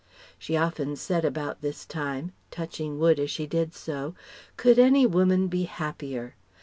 She often said about this time touching wood as she did so "could any woman be happier?"